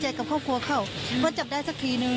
โชว์บ้านในพื้นที่เขารู้สึกยังไงกับเรื่องที่เกิดขึ้น